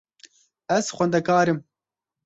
Ez xwendekar im.